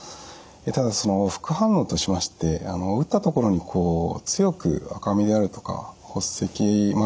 ただ副反応としまして打ったところに強く赤みであるとか発赤まあ痛みですね